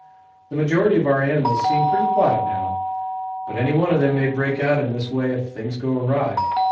The majority of our animals seem pretty quiet now, but any one of them may break out in this way if things go awry.